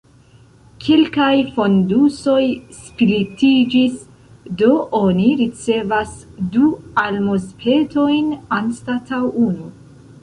Kelkaj fondusoj splitiĝis, do oni ricevas du almozpetojn anstataŭ unu.